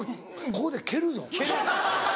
ここで蹴るぞ。